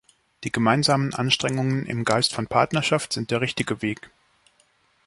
Die gemeinsamen Anstrengungen im Geist von Partnerschaft sind der richtige Weg.